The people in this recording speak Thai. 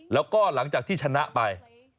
แล้วก็หลังจากที่ชนะไป